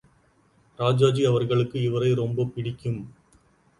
ராஜாஜி அவர்களுக்கு இவரை ரொம்பப் பிடிக்கும்.